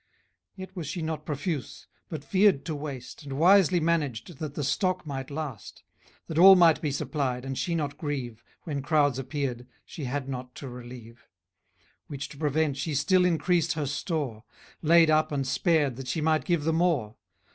} Yet was she not profuse; but feared to waste, And wisely managed, that the stock might last; That all might be supplied, and she not grieve, When crowds appeared, she had not to relieve: Which to prevent, she still increased her store; Laid up, and spared, that she might give the more.